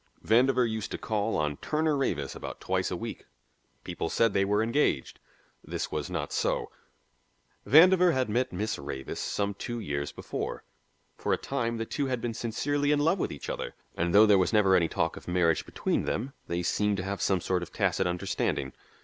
Vandover used to call on Turner Ravis about twice a week; people said they were engaged. This was not so. Vandover had met Miss Ravis some two years before. For a time the two had been sincerely in love with each other, and though there was never any talk of marriage between them, they seemed to have some sort of tacit understanding.